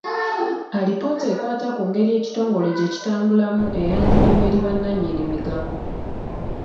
Alipoota ekwata ku ngeri ekitongole gye kitambulamu eyanjulibwa eri bannannyini migabo.